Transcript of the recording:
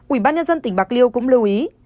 ủy ban nhân dân tỉnh bạc liêu cũng lưu ý